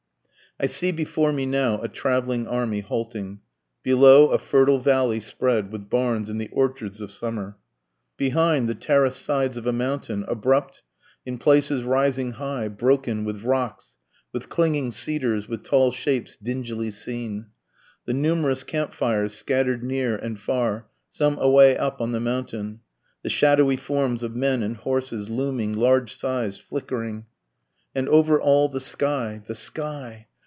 I see before me now a traveling army halting, Below a fertile valley spread, with barns and the orchards of summer, Behind, the terraced sides of a mountain, abrupt, in places rising high, Broken, with rocks, with clinging cedars, with tall shapes dingily seen, The numerous camp fires scatter'd near and far, some away up on the mountain, The shadowy forms of men and horses, looming, large sized, flickering, And over all the sky the sky!